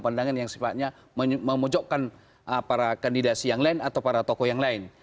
pendangan yang sepatutnya memujukkan para kandidasi yang lain atau para tokoh yang lain